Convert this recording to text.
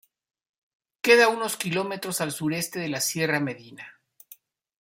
Queda unos kilómetros al sureste de la Sierra de Medina.